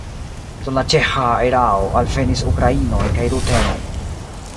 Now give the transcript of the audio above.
Dum la ĉeĥa erao alvenis ukrainoj kaj rutenoj.